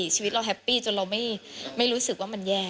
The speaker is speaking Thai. ชีวิตเราแฮปปี้จนเราไม่รู้สึกว่ามันแย่